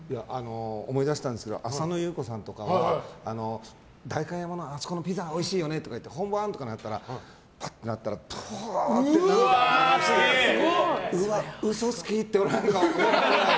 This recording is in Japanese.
思い出したんですけど浅野ゆう子さんとかと代官山のあそこのピザおいしいよねとか言ってるのに本番とかに、ぱってなったらぶわーって涙流して嘘つきって思ったり。